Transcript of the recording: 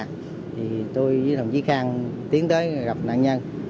thì tôi với đồng chí khang tiến tới gặp nạn nhân